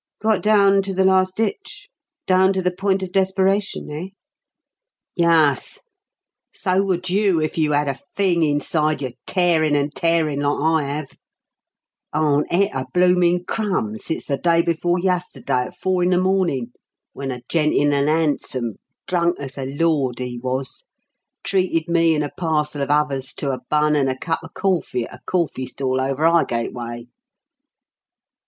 "Got down to the last ditch down to the point of desperation, eh?" "Yuss. So would you if you 'ad a fing inside you tearin' and tearin' like I 'ave. Aren't et a bloomin' crumb since the day before yusterday at four in the mawnin' when a gent in an 'ansom drunk as a lord, he was treated me and a parcel of others to a bun and a cup of corfy at a corfy stall over 'Ighgate way.